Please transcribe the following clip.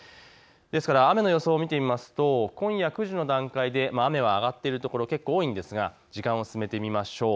ですから雨の予想を見てみますと今夜９時の段階で雨は上がっている所、結構多いんですが時間を進めてみましょう。